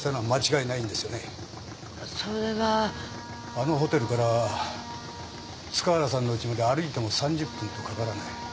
あのホテルから塚原さんの家まで歩いても３０分とかからない。